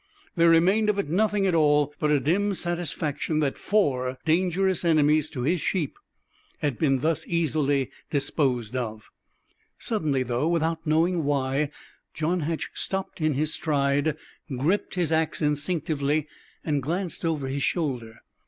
There remained of it nothing at all but a dim satisfaction that four dangerous enemies to his sheep had been thus easily disposed of. Suddenly, without knowing why, John Hatch stopped in his stride, gripped his axe instinctively, and glanced over his shoulder.